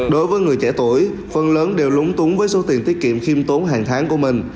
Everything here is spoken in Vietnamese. đối với người trẻ tuổi phần lớn đều lúng túng với số tiền tiết kiệm khiêm tốn hàng tháng của mình